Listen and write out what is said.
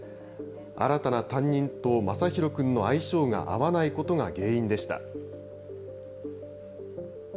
新たな担任と、まさひろ君の相性が合わないことが原因でした。